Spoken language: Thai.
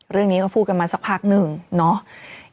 เรื่องนี้ข้าพูดกันซักพักนึงเนาะ